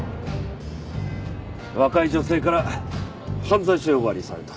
若い女性から犯罪者呼ばわりされた。